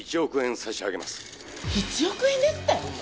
１億円ですって！？